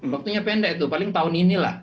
waktunya pendek itu paling tahun inilah